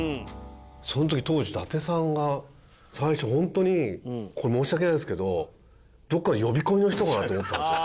その時当時伊達さんが最初ホントにこれ申し訳ないですけどどこかの呼び込みの人かな？と思ったんですよ。